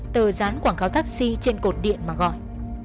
tờ dán quảng cáo taxi trên cột điện mà gọi